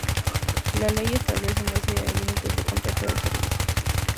La Ley establece una serie de límites del contrato de servicios.